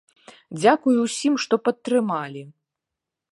Дзякуй усім, што падтрымалі.